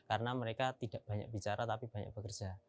karena mereka tidak banyak bicara tapi banyak bekerja